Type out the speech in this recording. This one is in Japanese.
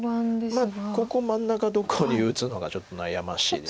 まあここ真ん中どこに打つのかちょっと悩ましいです。